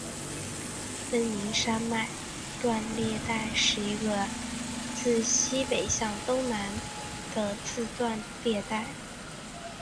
奔宁山脉断裂带是一个自西北向东南的断裂带。